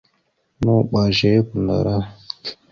Nuɓa zeya kwandara.